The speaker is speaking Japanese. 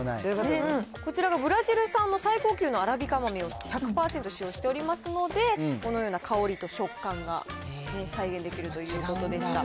こちらがブラジル産の最高級のアラビカ豆を１００％使用しておりますので、このような香りと食感が再現できるということでした。